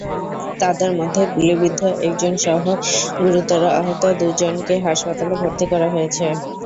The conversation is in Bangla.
তাঁদের মধ্যে গুলিবিদ্ধ একজনসহ গুরুতর আহত দুজনকে হাসপাতালে ভর্তি করা হয়েছে।